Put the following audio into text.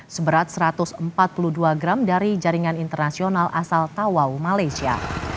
seberat satu ratus empat puluh dua gram dari jaringan internasional asal tawau malaysia